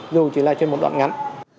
dù chỉ là trên một đoạn ngắn